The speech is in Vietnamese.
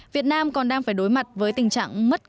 việt nam còn đang phải đối mặt với tình trạng mất